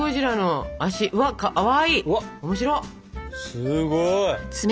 すごい！